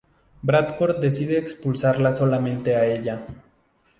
Bradford decide expulsarla solamente a ella.